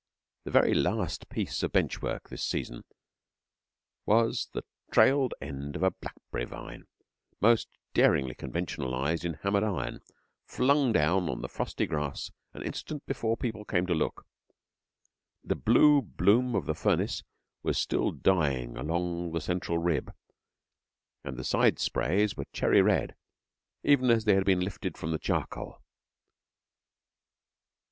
The very last piece of bench work this season was the trailed end of a blackberry vine, most daringly conventionalised in hammered iron, flung down on the frosty grass an instant before people came to look. The blue bloom of the furnace was still dying along the central rib, and the side sprays were cherry red, even as they had been lifted from the charcoal.